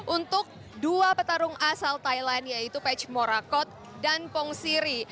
untuk dua petarung asal thailand yaitu petch morakot dan pong siri